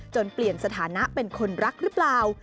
เปลี่ยนสถานะเป็นคนรักหรือเปล่า